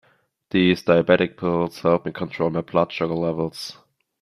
These diabetic pills help me control my blood sugar levels.